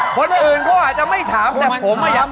คนอื่นก็อาจจะไม่ถามแต่ผมอะอย่างผม